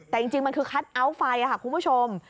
แต่จริงมันคือคัทเอาท์ไฟค่ะคุณผู้ชม